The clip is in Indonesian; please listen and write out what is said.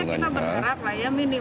ini juga baru pemulihan minimal